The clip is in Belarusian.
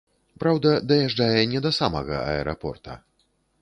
Праўда, даязджае не да самога аэрапорта.